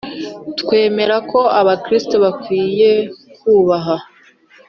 Twemera ko abakristo bakwiye kubaha